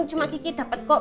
cuma kiki dapet kok